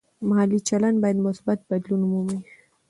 مالي چلند باید مثبت بدلون ومومي.